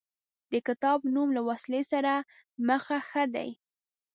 د کتاب نوم له وسلې سره مخه ښه دی.